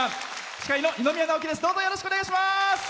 司会の二宮直輝です。